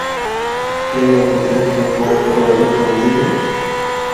اِناں کو دکھ کے خوف ہور حیرت ہوندی ہے۔